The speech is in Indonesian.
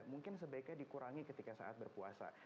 mungkin sebaiknya dikurangi ketika saat berpuasa